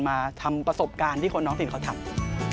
มาทำประสบการณ์ที่คนน้องสินเขาทำ